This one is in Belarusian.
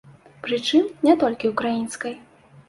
Прычым, не толькі украінскай.